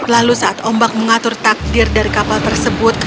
lalu saat ombak mengatur takdir dari kapal tersebut